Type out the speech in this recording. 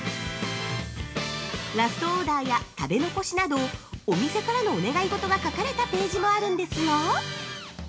ラストオーダーや食べ残しなどお店からのお願いごとが書かれたページもあるんですが◆